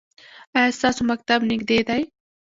ایا ستاسو مکتب نږدې دی؟